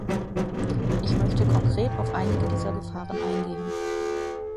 Ich möchte konkret auf einige dieser Gefahren eingehen.